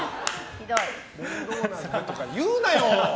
面倒なんでとか言うなよ！